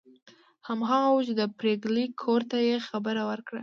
هماغه وه چې د پريګلې کور ته یې خبر ورکړ